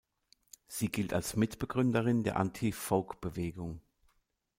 Sie gilt als Mitbegründerin der Anti-Folk-Bewegung.